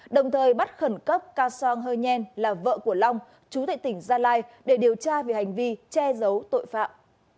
đồng thời bắt khẩn cấp ca song hơi nhen là vợ của long chú tệ tỉnh gia lai để điều tra về hành vi che giấu tội phạm